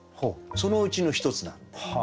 そのうちの一つなので。